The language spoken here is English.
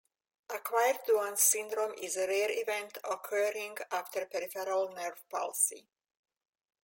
Acquired Duane's syndrome is a rare event occurring after peripheral nerve palsy.